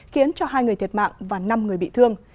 khiến cho hai người thiệt mạng và năm người bị thương